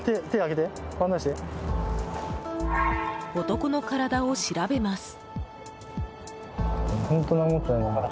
男の体を調べます。